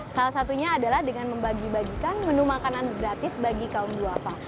salah satunya adalah dengan membagi bagikan menu makanan gratis bagi kaum duafa